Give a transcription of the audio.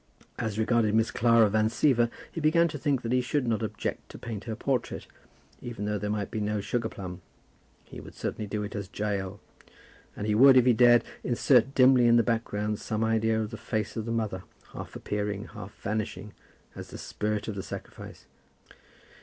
As regarded Miss Clara Van Siever, he began to think that he should not object to paint her portrait, even though there might be no sugar plum. He would certainly do it as Jael; and he would, if he dared, insert dimly in the background some idea of the face of the mother, half appearing, half vanishing, as the spirit of the sacrifice.